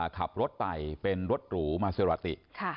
ขับรถไปเป็นรถหรูมาเซราติ